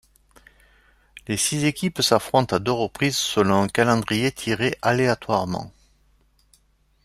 Les six équipes s'affrontent à deux reprises selon un calendrier tiré aléatoirement.